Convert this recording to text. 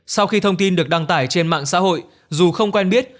sau khi thông tin được đăng tải trên mạng xã hội dù không quen biết